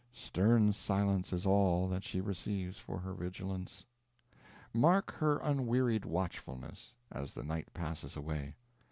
stern silence is all that she receives for her vigilance. Mark her unwearied watchfulness, as the night passes away.